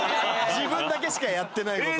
自分だけしかやってない事。